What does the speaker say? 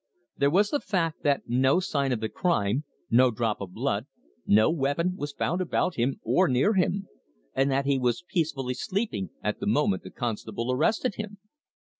There was the fact that no sign of the crime, no drop of blood, no weapon, was found about him or near him, and that he was peacefully sleeping at the moment the constable arrested him.